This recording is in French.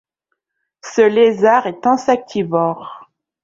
Ce lézard est insectivore.